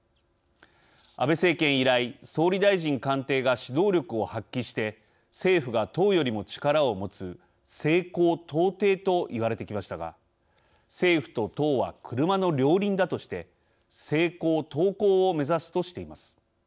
安倍政権以来総理大臣官邸が指導力を発揮して政府が党よりも力を持つ「政高党低」と言われてきましたが政府と党は車の両輪だとして「政高党高」を目指すとしています。